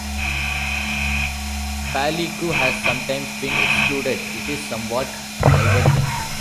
Palyku has sometimes been excluded; it is somewhat divergent.